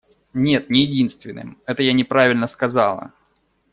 Нет, не единственным - это я неправильно сказала.